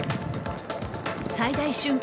最大瞬間